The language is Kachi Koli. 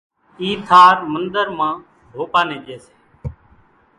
اِي ٿار منۮر مان ڀوپا نين ڄي سي